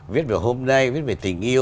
viết về hôm nay viết về tình yêu